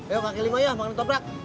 ayo kakek lima yuk makan toprak